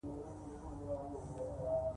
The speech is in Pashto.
اقلیم د افغانستان د موسم د بدلون سبب کېږي.